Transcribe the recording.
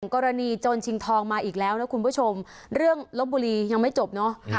กรณีโจรชิงทองมาอีกแล้วนะคุณผู้ชมเรื่องลบบุรียังไม่จบเนอะ